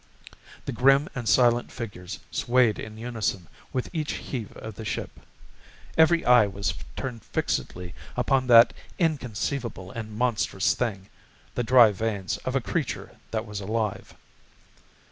The grim and silent figures swayed in unison with each heave of the ship. Every eye was turned fixedly upon that inconceivable and monstrous thing, the dry veins of a creature that was alive.